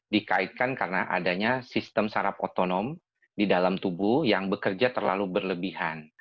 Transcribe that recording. dikaitkan karena adanya sistem sarap otonom di dalam tubuh yang bekerja terlalu berlebihan